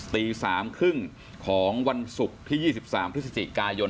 ตีสามครึ่งของวันศุกร์ที่๒๓พฤษศิกายน